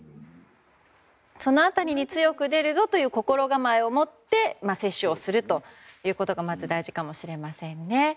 その辺りに強く出るぞという心構えを持って接種をするということがまず大事かもしれませんね。